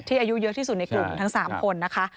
อายุเยอะที่สุดในกลุ่มทั้ง๓คนนะคะ